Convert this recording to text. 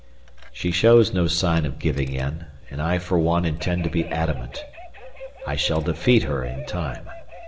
She shows no sign of giving in, and I for one intend to be adamant. I shall defeat her in time.